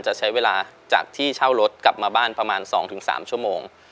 จะใช้เวลาจากที่เช่ารถกลับมาบ้านประมาณ๒๓ชั่วโมง